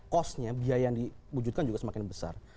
costnya biaya yang diwujudkan juga semakin besar